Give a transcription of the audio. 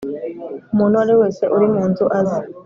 umuntu uwo ari we wese uri munzu aze